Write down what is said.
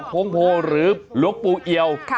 โค้งโพห์หรือลกปูเอียว